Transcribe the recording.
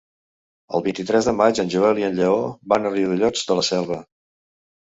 El vint-i-tres de maig en Joel i en Lleó van a Riudellots de la Selva.